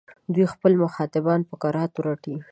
دوی خپل مخاطبان په کراتو رټي.